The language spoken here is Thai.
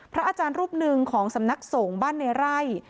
พระอาจารย์รูปหนึ่งของสำนักสงฆ์บ้านในไร่